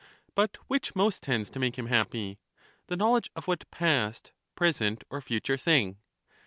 But which most tends to make him happy? the knowledge of what past, present, or future thing?